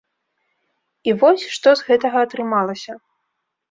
І вось, што з гэтага атрымалася.